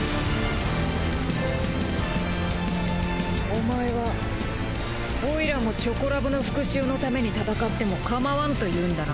お前はオイラもチョコラブの復讐のために闘ってもかまわんというんだな。